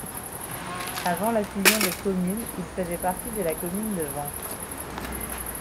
Avant la fusion des communes il faisait partie de la commune de Vance.